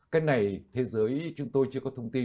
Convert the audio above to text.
cái này thế giới chúng tôi chưa có thông tin